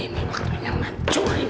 ini waktunya ngancurin